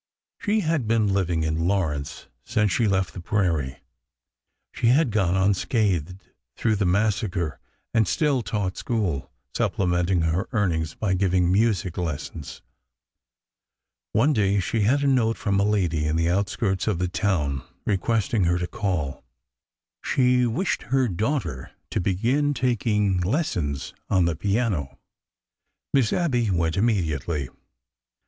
She had been living in Lawrence since she left the prairie; she had gone unscathed through the massacre and still taught school, supplementing her earnings by giving music lessons. One day she had a note from a lady in the outskirts of the town requesting her to call. She wished her daughter to begin taking lessons on the piano. Miss Abby went immediately.